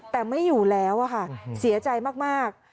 แต่ไม่อยู่แล้วค่ะเสียใจมาก